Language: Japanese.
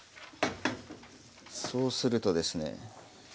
そうするとですね